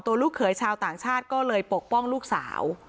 ลูกเขยชาวต่างชาติก็เลยปกป้องลูกสาว